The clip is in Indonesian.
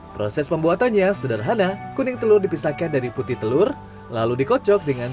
proses pembuatannya sederhana kuning telur dipisahkan dari putih telur lalu dikocok dengan